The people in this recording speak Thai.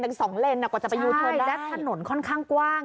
หนึ่งสองเลนอ่ะกว่าจะไปยูเทิร์นได้ใช่และถนนค่อนข้างกว้าง